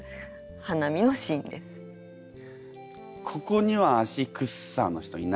ここには足くっさーの人いないかも。